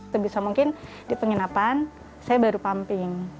sebisa mungkin di penginapan saya baru pumping